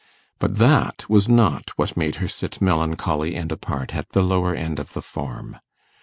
But that was not what made her sit melancholy and apart at the lower end of the form.